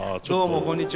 こんにちは。